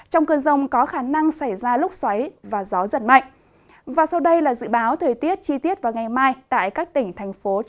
trong cơn rông có khả năng xảy ra lúc xoáy và gió giật mạnh